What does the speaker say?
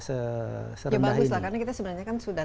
ya bagus lah karena kita sebenarnya kan sudah